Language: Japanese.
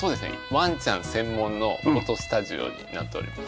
ワンちゃん専門のフォトスタジオになっております。